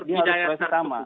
dia harus proses sama